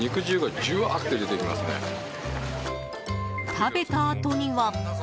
食べたあとには。